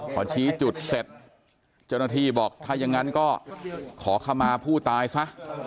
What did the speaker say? พอชี้จุดเสร็จเจ้าหน้าที่บอกถ้ายังงั้นก็ขอขมาผู้ตายซะ